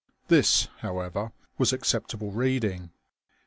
This, however, was acceptable reading.